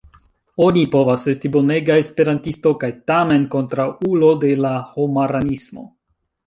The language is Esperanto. Oni povas esti bonega Esperantisto kaj tamen kontraŭulo de la homaranismo.